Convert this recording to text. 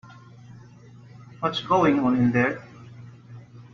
What's going on in there?